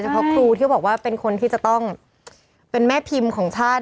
เพราะครูที่บอกว่าเป็นคนที่จะต้องเป็นแม่พิมพ์ของชาติ